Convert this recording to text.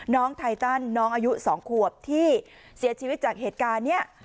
ไทตันน้องอายุ๒ขวบที่เสียชีวิตจากเหตุการณ์นี้